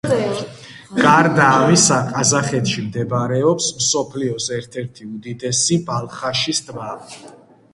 გარდა ამისა, ყაზახეთში მდებარეობს მსოფლიოს ერთ-ერთი უდიდესი ბალხაშის ტბა.